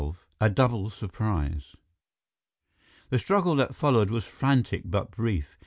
XII A Double Surprise The struggle that followed was frantic but brief.